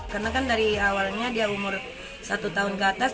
karena kan dari awalnya dia umur satu tahun ke atas